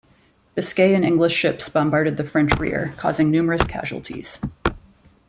Biscay and English ships bombarded the French rear, causing numerous casualties.